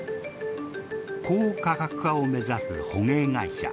高価格化を目指す捕鯨会社。